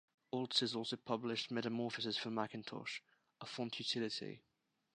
Altsys also published Metamorphosis for Macintosh, a font utility.